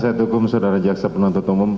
saya dukung saudara jaksa penuntut umum